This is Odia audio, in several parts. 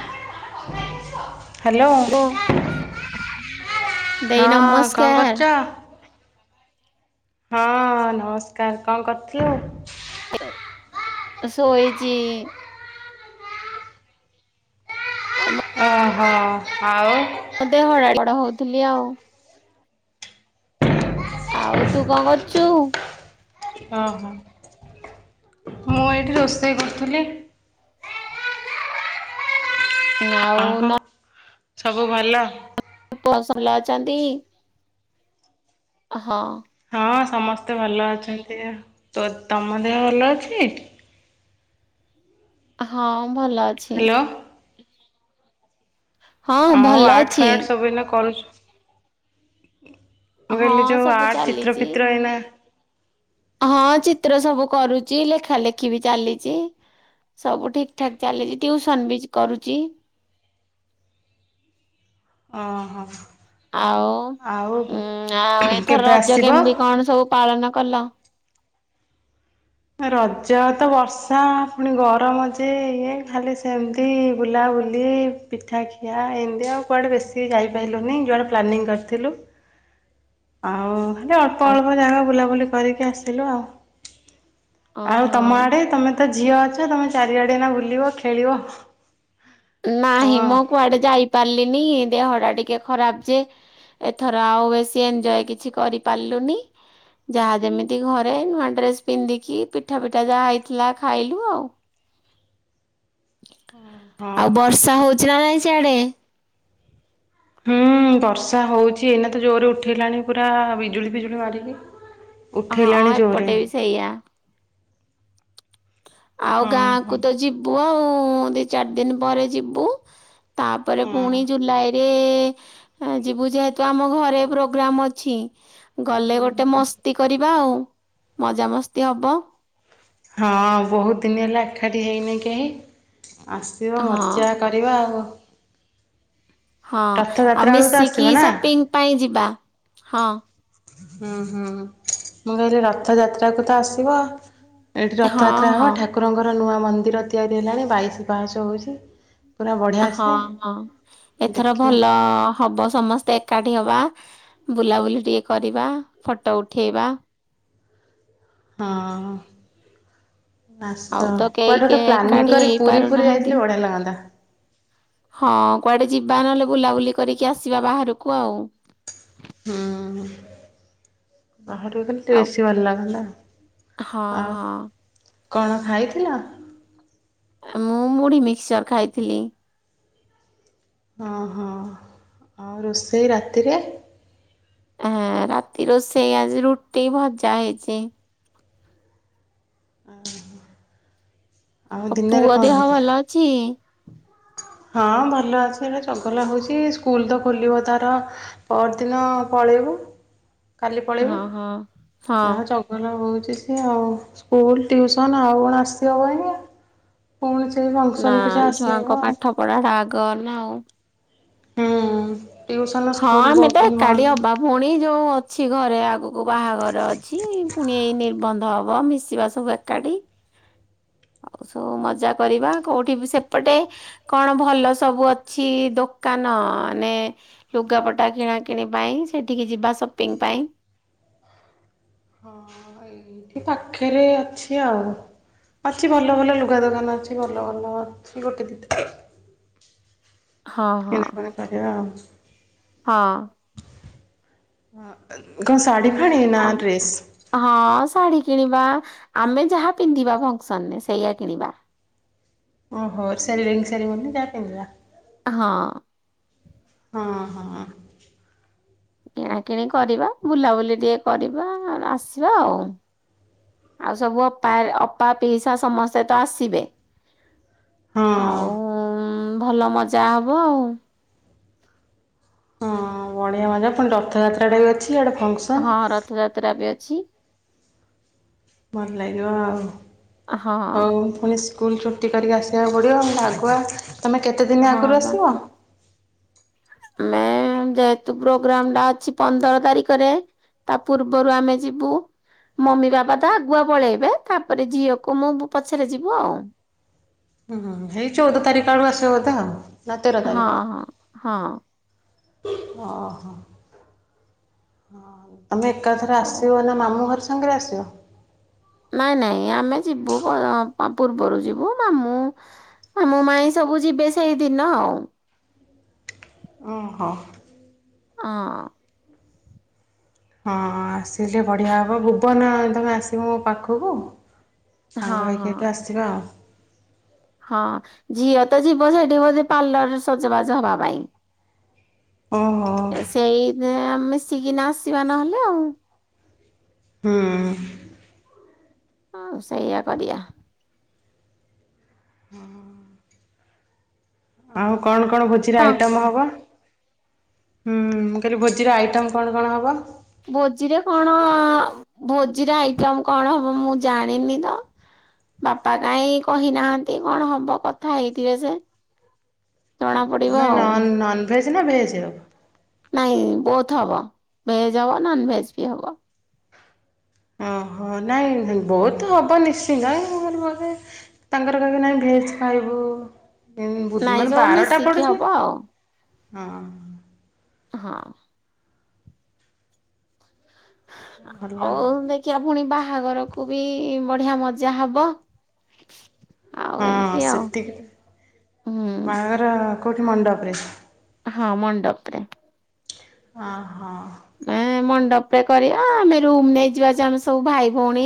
[inaudible] ହ୍ୟାଲୋ। ଲୋ ଦେଇ ହଁ କଣ କରୁଛ? ନମସ୍କାର ହଁ ନମସ୍କାର। କଣ କରୁଥିଲୁ? ଶୋଇଚି। ଓହୋ ଆଉ। ମତେ ହଡ଼ା ଲଡା ହଉଥିଲି ଆଉ। ଆଉ ତୁ କଣ କରୁଛୁ? ଓହୋ। ମୁଁ ଏଇଠି ରୋଷେଇ କରୁଥିଲି। ନା ଆଉ ଓହୋ ନା। ସବୁ ଭଲ। ଆପଣ ସମସ୍ତେ ଭଲ ଅଛନ୍ତି। ହଁ। ହଁ ସମସ୍ତେ ଭଲ ଅଛନ୍ତି ତମ ଦେହ ଭଲ ଅଛି? ହଁ। ଭଲ ଅଛି। ହ୍ୟାଲୋ ହଁ ଆଉ ଭଲ ଆଠ ଅଛି। ରୁ ଆଠ ସବୁଦିନ କରୁଛୁ। [inaudible] ମୁଁ ହଁ କହିଲି ଯୋଉ ସବୁ ଆର୍ଟ ଚିତ୍ର ଚାଲିଚି। ଫିତ୍ର ଏଇନା। ହଁ ଚିତ୍ର ସବୁ କରୁଛି ଲେଖା ଲେଖି ବି ଚାଲିଛି ସବୁ ଠିକ ଠାକ ଚାଲିଛି ଟିଉସନ୍ ବି କରୁଛି। ଓହୋ। ଆଉ ଆଉ ଉଁ ଆଉ ଏଥର କେବେ ରଜ କେମିତି ଆସିବ? କଣ ସବୁ ପାଳନ କଲ। ରଜ ତ ବର୍ଷା ପୁଣି ଗରମ ଯେ ଇଏ ଖାଲି ସେମିତି ବୁଲାବୁଲି ପିଠା ଖିଆ ଏଇଭଳିଆ ଆଉ କୁଆଡେ ବେଶି ଯାଇପାରିଲୁନି ଯୁଆଡେ ପ୍ଲାନିଂ କରିଥିଲୁ। ଆଉ। ମାନେ ଅଳ୍ପ ଆ ଅଳ୍ପ ଜାଗା ବୁଲାବୁଲି କରିକି ଆସିଲୁ ଆଉ। ଆଉ ତମ ଓହୋ। ଆଡେ ତମେ ତ ଝିଅ ଅଛ ତମେ ଚାରିଆଡେ ଏଇନା ବୁଲିବ ଖେଳିବ। ନାହିଁ ହଁ ମ କୁଆଡେ ଯାଇପାରିଲିନି। ଦେହ ଟା ଟିକେ ଖରାପ ଯେ, ଏଥର ଆଉ ବେଶୀ ଏଞ୍ଜୟ୍ କିଛି କରିପାରିଲୁନି ଯାହା ଯେମିତି ଘରେ ନୂଆ ଡ୍ରେସ ପିନ୍ଧିକି ପିଠା ପିଠା ଯାହା ହେଇଥିଲା ଖାଇଲୁ ଆଉ। ହଁ। ଆଉ ବର୍ଷା ହଉଛି ନା ନାଇଁ। ସେଆଡେ। ହୁଁ ବର୍ଷା ହଉଛି ଏଇନା ତ ଜୋରରେ ଉଠେଇଲାଣି ପୁରା ବିଜୁଳି ଫିଜୁଳି ମାରିକି। ହଁ ଉଠେଇଲାଣି ଜୋରେ ଏପଟେ ବି ସେଇଆ। ଆଉ ହଁ ଗାଁ ହଁ କୁ ତ ଯିବୁ ଆଉ। ମୁଁ ଦି ଚାରି ଦିନ ପରେ ଯିବୁ। ତାପରେ ହଁ। ପୁଣି ଜୁଲାଇ ରେ ଯିବୁ ଯେହେତୁ ଆମ ଘରେ ପ୍ରୋଗ୍ରାମ ଅଛି। ଗଲେ ଗୋଟେ ମସ୍ତି କରିବା ଆଉ। ମଜା ମସ୍ତି ହବ। ହଁ ବହୁତ ଦିନ ହେଲା ଏଖାଠ ହେଇନି କେହି। ଆସିବ ମଜା ହଁ। କରିବା ଆଉ। ହଁ ଆଉ ରଥଯାତ୍ରା ବେଳକୁ ତ ମିଶିକି ଆସିବ ନା? ସପିଙ୍ଗ ପାଇଁ ଯିବା ହଁ। ହୁଁ ହୁଁ ମୁଁ କହିଲି ରଥଯାତ୍ରାକୁ ତ ଆସିବ। ଏଇଠି ରଥଯାତ୍ରା ହଁ ହବ ହଁ ଠାକୁରଙ୍କର ନୂଆ ମନ୍ଦିର ତିଆରି ହେଲାଣି ବାଇଶ ପାସ ହଉଛି। ହଁ ହଁ ଏଥର ଦେଖିବ ଭଲ ହବ ସମସ୍ତେ ଏକାଠି ହବା। ବୁଲାବୁଲି ଟିକେ କରିବା ଫଟୋ ଉଠେଇବା। ହଁ। ନା ଆଉ ତ କେହି କୁଆଡେ କେ ଗୋଟେ ପ୍ଲାନିଂ ଏକାଠି କରି ହେଇ ପୁରୀ ପୁରୀ ପାରୁନାହାନ୍ତି। ଯାଇଥିଲେ ବଢିଆ ଲାଗନ୍ତା। ହଁ କୁଆଡେ ଯିବା ନହେଲେ ବୁଲାବୁଲି କରିକି ଆସିବା ବାହାରକୁ ଆଉ। ହଁ। ବାହାରକୁ ଖଲେ ଆଉ ବେଶୀ ଭଲ ଲାଗନ୍ତା। ହଁ ଆଉ ହଁ। କଣ ଖାଇଥିଲ? ମୁଁ ମୁଢି ମିକ୍ସଚର ଖାଇଥିଲି। ହଁ ହଁ ଆଉ ରୋଷେଇ ରାତିରେ। ହଁ ରାତି୍ରି ଓ ସେଇ ଆଜି ରୁଟ ଟେ ଭଜ୍ଜା ହେଇଛି। ଆ। ଆଉ ପୁଅ ଦେହ ଭଲ ଅଛି? ହଁ ଭଲ ଅଛି ଏଟା ଚଗଲା ହଉଛି ସ୍କୁଲ ତ ଖୋଲିବ ତାର ପରଦିନ ପଳେଇବୁ। କାଲି ପଳେଇବୁ ହଁ ହଁ ଯାହା ହଁ। ଜଗଲା ହେଉଛି। ସ୍ଲସନ ଆଉ କଣ ଆସିବ ଅନେକା। ସେ ନା ଫଙ୍କସନ କୁ ଯ ଛୁଆଙ୍କ ଆସିବ ଆଉ। ପାଠ ପଢା ଆଗ ନା ଆଉ। ହଁ। ହଁ ଆମେ ତ ଏକାଠି ହବା ଭଉଣୀ ଯୋଉ। ଅଛି ଘରେ ଆଗକୁ ବାହାଘର ଅଛି ପୁଣି ଏଇ ନିର୍ବନ୍ଧ ହବ ମିଶିବା ସବୁ ଏକାଠି ଆଉ ସବୁ ମଜା କରିବା କୋଉଠି ସେପଟେ କଣ ଭଲ ସବୁ ଅଛି ଦୋକାନ ମାନେ। ଲୁଗାପଟା କିଣା କିିଣି ପାଇଁ ସେଠିକି ଯିବା ସପିଙ୍ଗ ପାଇଁ। ହଁ ଏଇଠି ପାଖରେ ଅଛି ଆଉ ଅଛି ଭଲ ଭଲ ଲୁଗା ଦୋକାନ ଅଛି ଭଲ ଭଲ ଅଛି ଗୋଟେ ଦୁଟ। ହଁ ହଁ ଆଉ ହଁ। ହଁ ସାଢି ଫାଣି ନା ଡ୍ରେସ? ଆ ହଁ ଶାଢୀ କିଣିବା ଆମେ ଯାହା ପିନ୍ଧିବା ଫଙ୍କସନରେ ସେଇଆ କିଣିବା। ଓହୋ ସେରି ରିଙ୍ଗ ସେରିମନି ରେ ଯା ପିନ୍ଧିବା। ହଁ। ହଁ ହଁ। କିଣାକିଣି କରିବା ବୁଲାବୁଲି ଟିକେ କରିବା ଆସିବା ଆଉ ଆଉ ସବୁ ଅପା ଅପା ପିଇସା ସମସ୍ତେ ତ ଆସିବେ। ହଁ ଆଉଁ ଭଲ ମଜା ହବ ଆଉ। ହଁ ବଢିଆ ମଜା ପୁଣି ରଥଯାତ୍ରାଟା ବି ଅଛି। ଇଆଡ଼େ ଫଙ୍କସନ୍ ହଁ ରଥଯାତ୍ରା ବି ଅଛି। ଭଲ ଲାଗିବ ଆଉ ହଁ ହଉ ଫୁଣି ଶ୍ ସ୍କୁଲ ଛୁଟି କରିକି ଆସିବାକୁ ପଡ଼ିବ ଆମର ଆଗୁଆ ତୁମେ କେତେଦିନ ହଁ ଆଗରୁ ବା ଆସିବ? ଆମେ ଯେହେତୁ ପ୍ରୋଗ୍ରାମ ଟା ଅଛି ପନ୍ଦର ତାରିଖରେ ତା ପୂର୍ବରୁ ଆମେ ଯିବୁ, ମମି ବାବା ତ ଆଗୁଆ ପଳେଇବେ ତାପରେ ଝିଅକୁ ମୁଁ ପଛରେ ଯିବୁ ଆଉ। ହୁଁ ହୁଁ ଏଇ ଚଉଦ ତାରିଖ ଆଡୁ ଆସିବ ବୋଧେ ଆଉ। ନା ହଁ ହଁ ହଁ ଅ ହ ହଉ। ତମେ ଏକାଥରେ ହଉ। ଆସିବ ନା ମାମୁଁ ଘରେ ସାଙ୍ଗରେ ଆସିବ। ନାଇଁ ନାଇଁ ଆମେ ଯିବୁ ପ ପୂର୍ବରୁ ଯିବୁ ମାମୁଁ ମାମୁଁ ମାଇଁ ସବୁ ଯିବେ ସେଇଦିନ ଆଉ। ଓହୋ ଅଁ ହଁ ଆସିଲେ ବଢ଼ିଆ ହବ ଭୁବନ ତମେ ଆସିବ ମୋ ପାଖକୁ? ହଁ ସାଙ୍ଗ ହେଇକି ହଁ ହେଠୁ ଆସିିବ ଆଉ। ହଁ ଝିଅ ତ ଯିବ ସେଠି ବଧେ ପାର୍ଲରରେ ସଜବାଜ ହବା ପାଇଁ। ଓହୋ। ଏ ସେଇଦିନ ମିଶିକିନା ଆସିବା ନହେଲେ ଆଉ। ହୁଁ। ହଁ ସେଇଆ କରିବା। ହଁ ହଁ। ଆଉ କଣ କଣ ଭୋଜିର ହଁ ଆଇଟମ୍ ହବ? ହୁଁ ମୁଁ କହିଲି ଭୋଜିର ଆଇଟମ୍ କଣ କଣ ହବ? ଭୋଜିରେ କଣ ଭୋଜିର ଆଇଟମ କଣ ହବ ମୁଁ ଜାଣିନି ତ, ବାପା କାହିଁ କହିନାହାନ୍ତି କଣ ହବ କଥା ହେଇଥିବେ ସେ। ଜଣା ପଡିବ ନାଇଁ ନନ ଆଉ। ନନଭେଜ କି ନା ଭେଜ ହବ? ନାଇଁ ବୋଥ ହବ ଭେଜ ହବ ନନ ଭେଜ ବି ହବ। ଓହୋ ନାଇଁ ବହୁତ ହବ ନିଶ୍ଚିନ୍ତ ତାଙ୍କର ବୋଧେ ତାଙ୍କର କହିବେ ନାଇଁ ଭେଜ ଖାଇବୁ ନାଇଁ ମାନେ ସବୁ ବାରଟା ମିଶିକି ପଡୁଛି ହବ ଆଉ। ହଁ। ହଁ। ଭଲ। ଅଉ ଦେଖିବା ପୁଣି ବାହା ବାହାଘରକୁ ବି ବଢିଆ ମଜା ହବ। ଆଉ ହଁ ଏମିତି ଆଉ ସେତିକି, ହୁଁ। ବାହାଘର କୋଉଠି ମଣ୍ଡପରେ? ହଁ ମଣ୍ଡପରେ। ହଁ ହଁ। ଏ ଏଁ ମଣ୍ଡପ ରେ କରିବା ଆମେ ରୁମ ନେଇଯିବା ଯେ ଆମେ ସବୁ ଭାଇ ଭଉଣୀ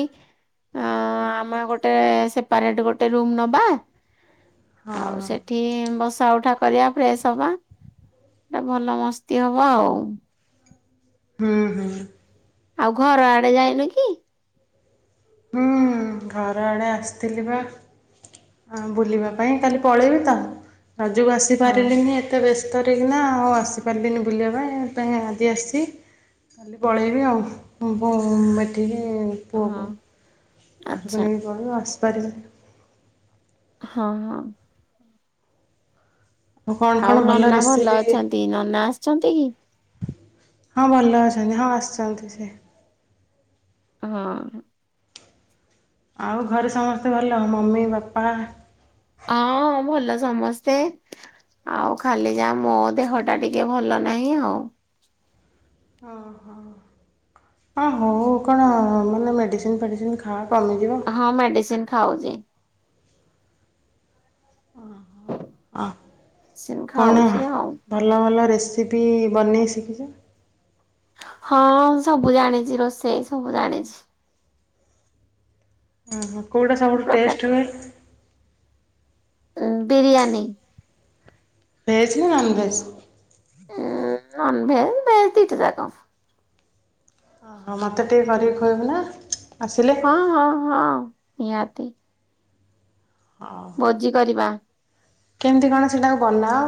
ଆମେ ଗୋଟେ ସେପାରେଟ ଗୋଟେ ରୁମ ନବା ଆଉ ସେଠି ବସ ବସା ଉଠା କରିବା ଫ୍ରେଶ ହବା ଟା ଭଲ ମସ୍ତି ହବ ଆଉ।। ହୁଁ ହୁଁ। ଆଉ ଘର ଆଡେ ଯାଇନ କି? ହୁଁ ଘର ଆଡ଼େ ଆସିଥିଲି ବା ବୁଲିବା ପାଇଁ କାଲି ପଳେଇବି ତ ଆ ଯୋଉ ଆସି ହଁ ପାରିଲିନି ଏତେ ବ୍ୟସ୍ତ ସେଥର କିିନା ଆଉ ଆସିପାରିବିନି ବୁଲିବା ପାଇଁ ପାଇଁ ଆଜି ଆସିଚି କାଲି ପଳେଇବି ଆଉ ବନୁ ଏଠିକି। ହୁଁ ପୁଅ ହଁ ବୋହୂ ଆକୁ ତ ଆଚ୍ଛା ନେଇ ପଳେଇବ ଆସ ଉପରେ ହଁ ହଁ। ଆଉ କଣ କଣ ଭଲ ନନା ରେସିପି ଅଛନ୍ତି ନନା ଆସିଛନ୍ତି କି? ହଁ ଭଲ ଅଛନ୍ତି ହଁ ଆସି [inaudible] ସେ ହଁ। ଆଉ ଘରେ ସମସ୍ତେ ଭଲ? ମମି, ବାପା ହଁ ଭଲ ସମସ୍ତେ ଆଉ ଖାଲି ଯା ମୋ ଦେହ ଟା ଟିକେ ଭଲ ନାହିଁ ଆଉ। ହଁ ହଁ ଆଉ କଣ ମାନେ ମେଡିସି ଇନ୍ ଫେଡିଶିନ୍ ଖା ହଁ ମେଡ଼ିସିନ୍ ଖାଉଛି। ଅ ହଁ ମେଡିସିନ କଣ ଖାଉଛି ଆଉ। ଭଲ ଭଲ ରେସି ରେସିପି ବନେଇ ଶିଖିଛୁ? ହଁ ମୁ ସବୁ ଜାଣିଛି ରୋଷେଇ ସବୁ ଜାଣିଛି? ଉ ହୁଁ। କୋଉଟା ସବୁଠୁ ପ୍ରକାର ଟେଷ୍ଟ୍ ହୁଏ? ଉଁ ବିରିୟାନୀ ଭେଜ୍ ନା ନନ୍ ଭେଜ୍? ଉଁ ନନ୍ ଭେଜ୍ ଭେଜ୍ ଦିଟା ଯାକ। ଆ ହଁ ମୋତେ ଟିକେ କରିକି ଖୋଇବ ନା। ଆସିଲେ ହଁ ହଁ ହଁ। ନିହାତି। ହଉ। ଭୋଜି କରିବା। କେମିତି କଣ ସେଟାକୁ ବନାଅ?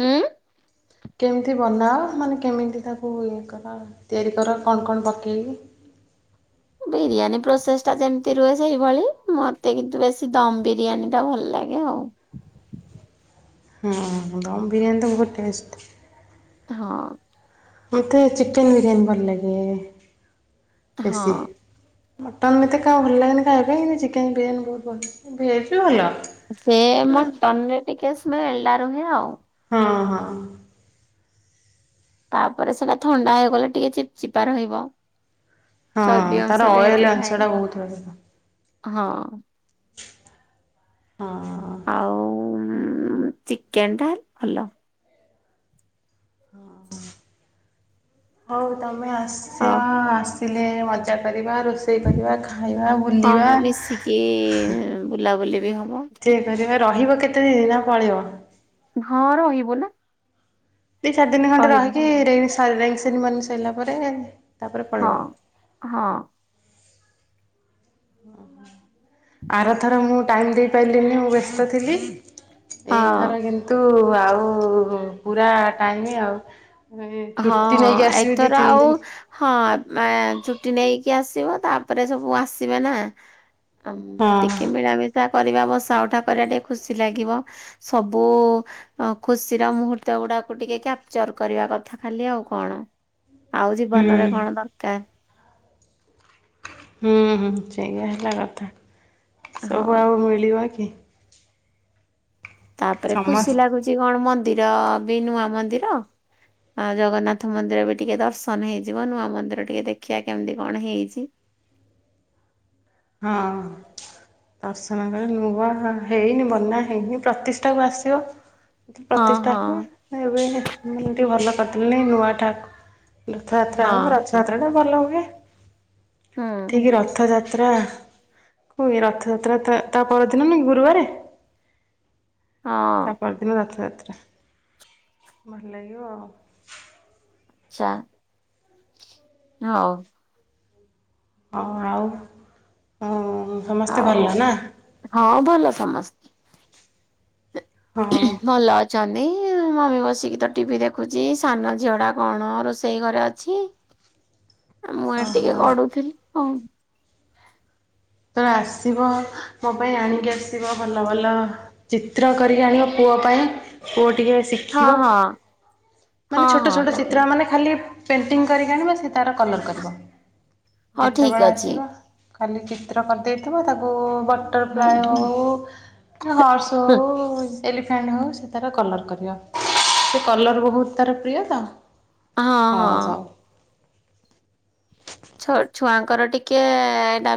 ହୁଁ। କେମିତି ବନାଅ ମାନେ କେମିତି ତାକୁ ଇଏ କର ତିଆରି କର କଣ କଣ ପକେଇକି? ବିରିୟାନୀ ପ୍ରୋସେସ ଟା ଯେମିତି ରୁହେ ସେଇଭଳି ମତେ କିନ୍ତୁ ବେଶୀ ଦମ ବିରିୟାନୀ ଟା ଭଲ ଲାଗେ ଆଉ। ହଁ ଦମ ବିରିୟାନୀ ତ ବହୁତ ଟେଷ୍ଟ ହଁ। ମତେ ଚିକେନ ବିରିୟାନୀ ଭଲ ଲାଗେ। ହଁ। ବେଶି। ମଟନ୍ ଏତେ କା ଭଲ ଲାଗେନି ଖାଇବା ପାଇଁ କିନ୍ତୁ ଚିକେନ୍ ବିରିୟାନୀ ବହୁତ ଭଲ, ଭେଜ୍ ବି ଭଲ। ସେ ମଟନ୍ ରେ ଟିକେ ସ୍ମେଲଟା ରହେ ଆଉ। ହଁ ହଁ। ତାପରେ ସେଟା ଥଣ୍ଡା ହେଇଗଲେ ଟିକେ ଚିପ ଚିପା ରହିବ। ହଁ ଚର୍ବି ତାର ଅଂଶ ଅଏଲ ଯେହେତୁ ଥାଏ ଅଂଶ ଟା ବହୁତ ବେଶି। ହଁ। ହଁ। ଆଉ-ମ-ମ ଚିକେନ ଟା ଭଲ। ହଉ ତମ ଆସ୍ୟ ହଁ। ଆସ ହେଲେ ମଜା କରିବା ରୋଷେଇ କରିବା ଖା ହଁ ମିଶିକି ବୁଲାବୁଲି ବି ହବ। ଯେ କରିବା ରହିବ କେତେ ଦିନିନା ପଳେଇବ? ହଁ ରହିବୁ ନା। ଦିଇ ଚାରିଦିନ ଖଣ୍ଡେ ରହିବୁ। ରହିିକି ରିଲ୍ସ ତା ରିଙ୍ଗସେରିମନି ସରିଲା ପରେ ତାପରେ ହଁ ପଳେଇବ। ହଁ। ଆର ଥର ମୁଁ ଟାଇମ୍ ଦେଇପାରିଲିନି ମୁଁ ବ୍ୟସ୍ତ ଥିଲି। ହଁ ଏଇଥର କିନ୍ତୁ ଆଉ ପୁରା ଟାଇମ ଆଉ। ହଁ ଛୁଟି ନେଇକି ହଁ ଆସିବି ଦି ଏଥର ତିନି ଆଉ ଦିନ ହଁ ମା ଛୁଟି ନେଇକି ଆସ। ଥିବ ତାପରେ ସବୁ ଆସିବେ ନା। ହଁ ଟିକେ ମୀଳାମିଶା। କରିବା ବସା ଉଠା କରିବା ଟିକେ ଖୁସି ଲାଗିବ, ସବୁ ଖୁସିର ମୁହୂର୍ତ୍ତ ଗୁଡାକୁ ଟିକେ କ୍ୟାପଚର କରିବା କଥା। ଖାଲି ଆଉ କଣ। ଆଉ ହୁଁ। ଜୀବନରେ କଣ ଦରକାର? ହୁଁ ହୁଁ ସେୟା ହେଲା କଥା। ସବୁ ହଁ। ଆଉ ମିଳିବ କି? ତାପରେ ଖୁସି ସମସ୍ତ ଲାଗୁଛି କଣ ମ ମନ୍ଦିର ବି ନୂଆ ମନ୍ଦିର ଆ ଜଗନ୍ନାଥ ମନ୍ଦିର ବି ଟିକେ ଦର୍ଶନ ହେଇଯିବ ନୂଆ ମନ୍ଦିର ଟିକେ ଦେଖିବା କେମିତି କଣ ହେଇଛି। ହଁ ଦର୍ଶନ କଲେ ନୁଆ ହେଇନି ବନା ହେଇନି ପ୍ରତିଷ୍ଠା କୁ ଆସିବ। ହଁ ପ୍ରତିଷ୍ଠା ହଁ କ ଏବୋନେ ଟିକେ ଭଲ [unintelligible] ପତଲି ନୂଆ ଠାକୁ ରଥଯାତ୍ରା ହଁ ହଉ ଆମ ରଥଯାତ୍ରା ଟା ଭଲ ହୁଏ। [unintelligible] ହୁଁ ଠିକ୍ ରଥଯା ତ୍ରା ହୁଏ ରଥଯାତ୍ରା ତା ପରଦିନ ନୁହେ କି ଗୁରୁବରେ। ହଁ ଆଚ୍ଛା ତାପ ଦିନ ରଥଯା ତ୍ରା ଭଲଲାଗିବ ଚା। ହଉ। ହଁ ଆଉ ହୁଁ। ସମସ୍ତେ ଆଉ ଭଲ ନା। ହଁ ଭଲ ସମସ୍ତେ। ହଁ। ଛନ୍ତି ମମି ବସିକି ତ ଟିଭିି ଦେଖୁଛି ସାନ ଝିଅ ଟା କଣ ରୋଷେଇ ଘରେ ଅଛି। ଆ ମୁଁ ଏ ଟିକେ ଓହୋ ଗଡୁଥିଲି। ଅଁ। ତ ଆସିବ ମୋ ପାଇଁ ଆଣିକି ଆସିବ ଭଲ ଭଲ ଚିତ୍ର କରିକି ଆଣିବ ପୁଅ ପାଇଁ ପୁଅ ଟିକେ ହଁ ଶିଖିବ ହଁ ହଁ ମାନେ ଛୋଟ ହଁ ଛୋଟ ନେବି। ଚିତ୍ର ମାନେ ଖାଲି ପେଣ୍ଟିଙ୍ଗ କରିକି ଆଣିବା ସେ ତାର କଲର୍ କରିବ। ହଉ ଠିକ ଯେତେବେଳେ ଅଛି ଆସିବ। ଖାଲି କେ ଚିତ୍ର କରିଦେଇଥିବ ତାକୁ ହୁଁ ବଟରଫ୍ଲାଏ ହୁଁ ହଉ ହର୍ସ ହଉ ଏଲିଫାଣ୍ଟ ହେଉ ସେ ତାର କଲର୍ କରିବ ସେ କଲର୍ ବହୁତ ତାର ପ୍ରିୟ ତ। ହଁ ହ ହଁ ହଉ। କର ଟିକେ ଡା